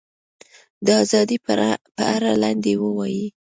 د ازادۍ په اړه لنډۍ ووایي.